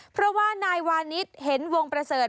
เพราะว่านายวานิสเห็นวงประเสริฐ